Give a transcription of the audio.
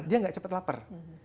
dia gak cepat lapar